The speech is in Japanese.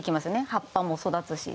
葉っぱも育つし。